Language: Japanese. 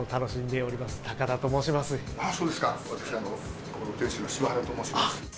私ここの店主の柴原と申します